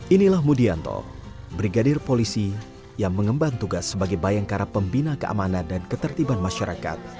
inilah mudianto brigadir polisi yang mengemban tugas sebagai bayangkara pembina keamanan dan ketertiban masyarakat